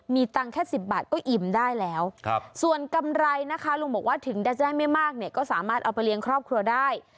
มีตังค์แค่๑๐บาทก็อิ่มได้แล้วส่วนกำไรนะคะลุงบอกว่าถึงจะได้ไม่มากเนี่ยก็สามารถเอาไปเลี้ยงครอบครัวได้